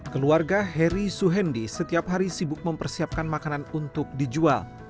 keluarga heri suhendi setiap hari sibuk mempersiapkan makanan untuk dijual